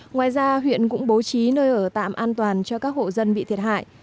ngoài ra huyện cũng bố trí nơi ở tạm an toàn cho các hộ dân bị thiệt hại